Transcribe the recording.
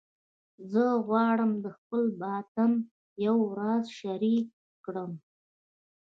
زه غواړم د خپل باطن یو راز شریک کړم